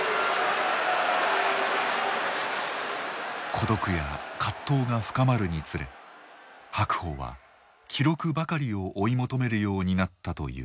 孤独や葛藤が深まるにつれ白鵬は記録ばかりを追い求めるようになったという。